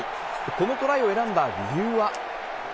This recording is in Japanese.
このトライを選んだ理由は？